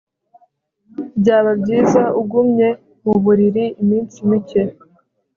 byaba byiza ugumye mu buriri iminsi mike